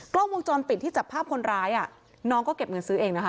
กล้องวงจรปิดที่จับภาพคนร้ายน้องก็เก็บเงินซื้อเองนะคะ